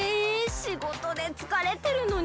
しごとでつかれてるのに？